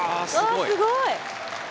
あすごい！